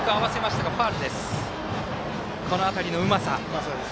この辺りのうまさ。